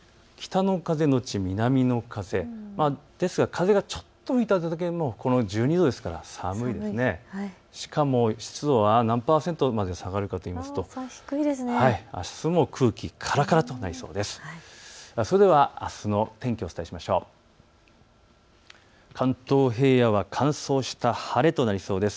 しかも湿度は何％まで下がるかといいますとあしたも空気、からからとなりそうです。